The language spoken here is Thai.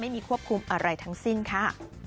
ไม่มีควบคุมอะไรทั้งสิ้นค่ะ